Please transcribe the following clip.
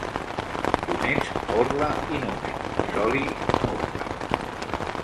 Tu n'ets orla i numen, soli, murta.